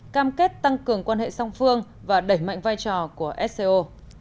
cam kết tăng cường quan hệ song phương và đẩy mạnh vai trò của sco